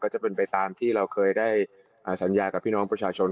จะเป็นไปตามที่เราเคยได้สัญญากับพี่น้องประชาชน